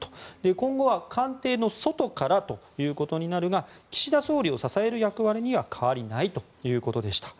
今後は官邸の外からということになるが岸田総理を支える役割には変わりないということでした。